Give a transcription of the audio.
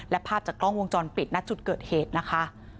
และภาพจากกล้องวงจรปิดณจุดเกิดเหตุนะคะ